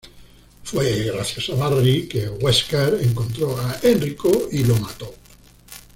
Fue gracias a Barry que Wesker encontró a Enrico y lo mató.